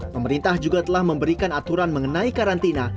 pemerintah juga telah memberikan aturan mengenai karantina